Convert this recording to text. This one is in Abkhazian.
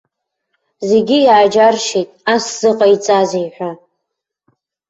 Зегьы иааџьаршьеит, ас зыҟаиҵазеи ҳәа.